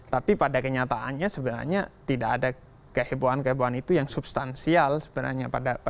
tapi pada kenyataannya sebenarnya tidak ada kehebohan kehebohan itu yang substansial sebenarnya